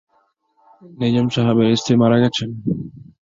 নিজাম সাহেবের স্ত্রী মারা গেছেন।